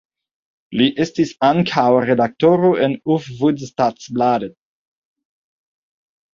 Li estis ankaŭ redaktoro en Hufvudstadsbladet.